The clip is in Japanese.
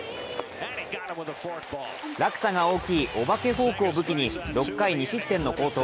落差が大きいお化けフォークを武器に６回２失点の好投。